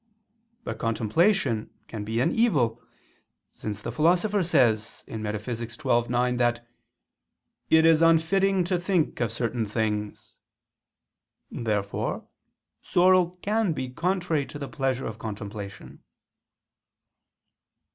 But contemplation can be an evil: since the Philosopher says (Metaph. xii, 9) that "it is unfitting to think of certain things." Therefore sorrow can be contrary to the pleasure of contemplation.